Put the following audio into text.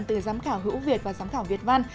từ giám khảo hữu việt và giám khảo việt văn